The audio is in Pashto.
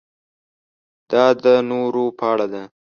دا د نورو په اړه ده.